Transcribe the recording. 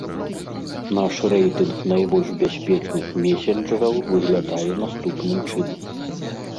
Наш рэйтынг найбольш бяспечных месенджараў выглядае наступным чынам.